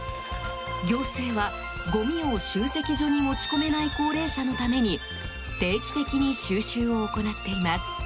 行政は、ごみを集積所に持ち込めない高齢者のために定期的に収集を行っています。